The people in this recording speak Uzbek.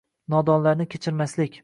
Nodonlarni kechirmaslik –